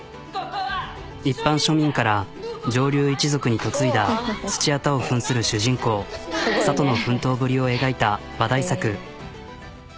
一般庶民から上流一族に嫁いだ土屋太鳳ふんする主人公佐都の奮闘ぶりを描いた話題作。